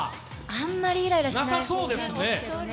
あんまりイライラしないんですけどね。